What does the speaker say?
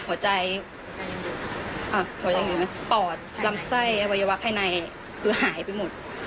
หัวใจพอยังไงไหมปอดลำไส้อวัยวะภายในคือหายไปหมด